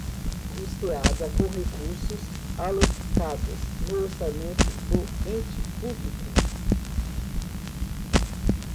custeada com recursos alocados no orçamento do ente público